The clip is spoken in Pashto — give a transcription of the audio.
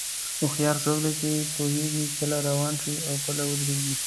هوښیار څوک دی چې پوهېږي کله روان شي او کله ودرېږي.